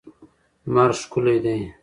لمر ښکلی دی.